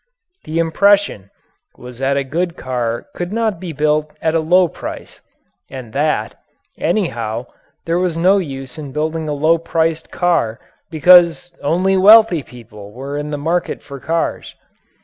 The impression was that a good car could not be built at a low price, and that, anyhow, there was no use in building a low priced car because only wealthy people were in the market for cars.